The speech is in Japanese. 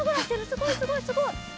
すごいすごいすごい。